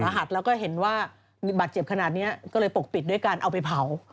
หัสแล้วก็เห็นว่าบาดเจ็บขนาดนี้ก็เลยปกปิดด้วยการเอาไปเผา